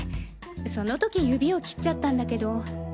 その時指を切っちゃったんだけど。